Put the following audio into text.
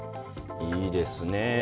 いいですね。